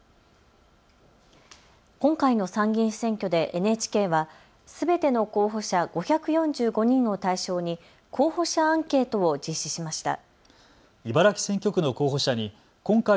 今回の参議院選挙でＮＨＫはすべての候補者５４５人を対象に候補者アンケートを実施しました。